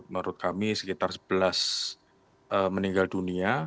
menurut kami sekitar sebelas meninggal dunia